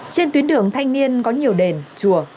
trên tuyến đường thanh niên có nhiều đền chùa